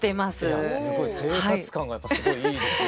いやすごい生活感がやっぱすごいいいですね。